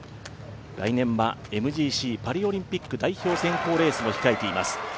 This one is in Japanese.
来年はＭＧＣ、パリオリンピック代表選考レースも控えています。